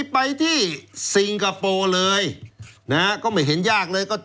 ไปที่ซิงคโปร์เลยนะฮะก็ไม่เห็นยากเลยก็